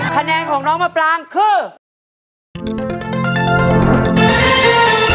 คะแนนของน้องมะปรางคือ